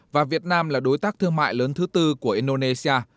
và việt nam là đối tác thương mại lớn thứ tư của indonesia